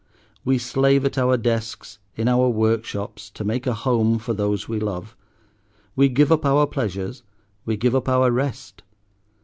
We slave at our desks, in our workshops, to make a home for those we love; we give up our pleasures, we give up our rest.